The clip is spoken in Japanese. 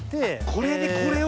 これにこれを。